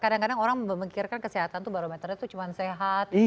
kadang kadang orang memikirkan kesehatan tuh barometernya tuh cuma sehat